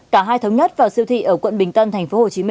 cả hai thống nhất vào siêu thị ở quận bình tân tp hcm